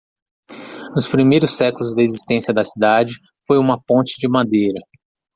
Nos primeiros séculos da existência da cidade, foi uma ponte de madeira.